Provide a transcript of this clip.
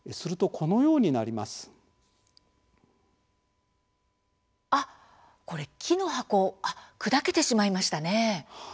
これ木の箱砕けてしまいましたね。